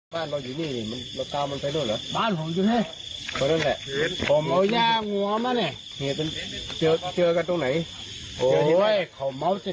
บ้านเราอยู่นี่นี่มันเราตามมันไปด้วยเหรอบ้านของมานี่